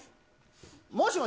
もしもし？